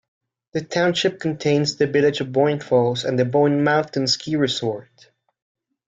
The township contains the village of Boyne Falls and the Boyne Mountain ski resort.